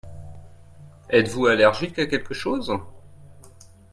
Êtes-vous allergique à quelque chose ?